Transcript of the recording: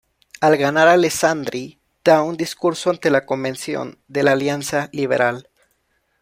Al ganar Alessandri da un discurso ante la Convención de la Alianza Liberal.